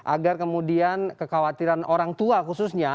agar kemudian kekhawatiran orang tua khususnya